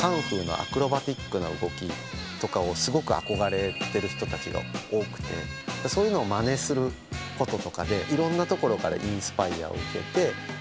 とかをすごく憧れてる人たちが多くてそういうのをまねすることとかでいろんなところからインスパイアを受けて更に。